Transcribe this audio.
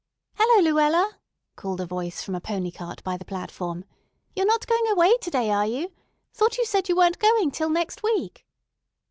"Hello, Luella!" called a voice from a pony cart by the platform. "You're not going away to day, are you? Thought you said you weren't going till next week."